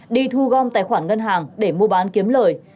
đi thu gom tài khoản ngân hàng để mua bán kiếm lời